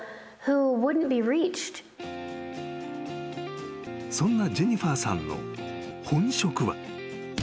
［そんなジェニファーさんの本職は］